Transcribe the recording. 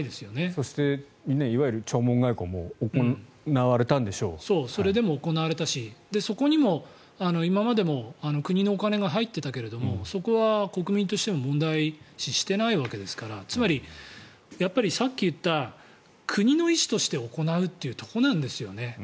そしていわゆる弔問外交もそれでも行われたしそこにも今までも国のお金が入ってたけどもそこは国民としても問題視していないわけですからつまり、さっき言った国の意思として行うというところなんですよね。